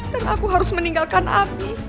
dan aku harus meninggalkan abi